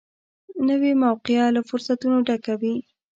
نوې موقعه له فرصتونو ډکه وي